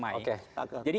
jadi itu yang berarti